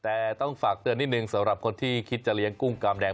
แต่ต้องฝากเตือนนิดนึงสำหรับคนที่คิดจะเลี้ยงกุ้งกามแดง